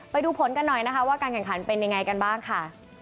ไปดูผลกันหน่อยนะคะว่าการแข่งขันเป็นยังไงกันบ้างค่ะ